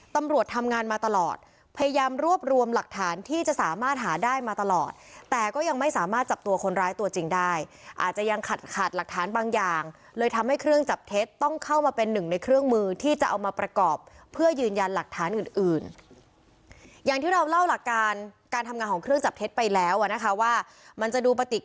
ตำรวจทำงานมาตลอดพยายามรวบรวมหลักฐานที่จะสามารถหาได้มาตลอดแต่ก็ยังไม่สามารถจับตัวคนร้ายตัวจริงได้อาจจะยังขัดขาดหลักฐานบางอย่างเลยทำให้เครื่องจับเท็จต้องเข้ามาเป็นหนึ่งในเครื่องมือที่จะเอามาประกอบเพื่อยืนยันหลักฐานอื่นอื่นอย่างที่เราเล่าหลักการการทำงานของเครื่องจับเท็จไปแล้วอ่ะนะคะว่ามันจะดูปฏิ